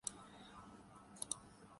ابھی بھارت چھوڑنے کافیصلہ نہیں کیا وسیم اکرم